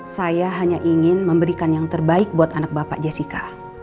saya hanya ingin memberikan yang terbaik buat anak bapak jessica